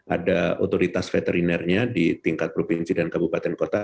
ada otoritas veterinernya di tingkat provinsi dan kabupaten kota